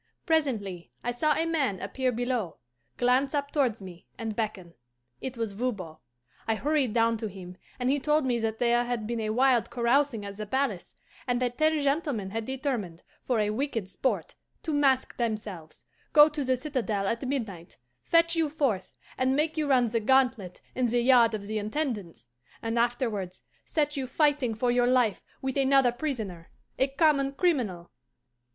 Presently I saw a man appear below, glance up towards me, and beckon. It was Voban. I hurried down to him, and he told me that there had been a wild carousing at the palace, and that ten gentlemen had determined, for a wicked sport, to mask themselves, go to the citadel at midnight, fetch you forth, and make you run the gauntlet in the yard of the Intendance, and afterwards set you fighting for your life with another prisoner, a common criminal.